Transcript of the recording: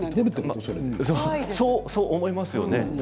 そう思いますよね。